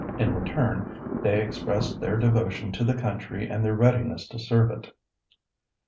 In return, they expressed their devotion to the country and their readiness to serve it."